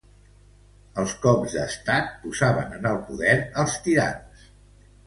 Els cops d'Estat posaven en el poder als tirans.